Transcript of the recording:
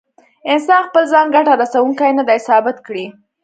انسان خپل ځان ګټه رسوونکی نه دی ثابت کړی.